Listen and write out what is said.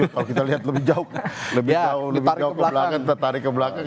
kalau kita lihat lebih jauh lebih jauh ke belakang tertarik ke belakang